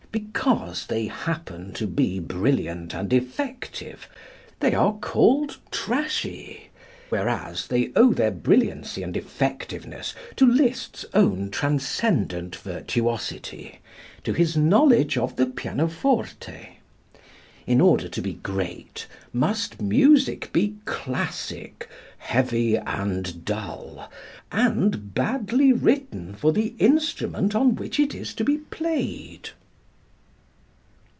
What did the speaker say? Because they happen to be brilliant and effective they are called trashy, whereas they owe their brilliancy and effectiveness to Liszt's own transcendent virtuosity, to his knowledge of the pianoforte. In order to be great must music be "classic," heavy and dull, and badly written for the instrument on which it is to be played?